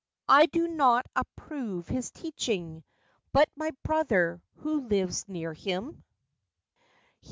"I do not approve his teaching; But my brother, who lives near him, FACTS AND FANCIES.